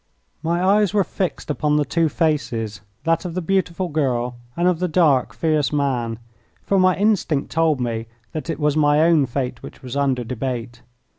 My eyes were fixed upon the two faces, that of the beautiful girl and of the dark, fierce man, for my instinct told me that it was my own fate which was under debate.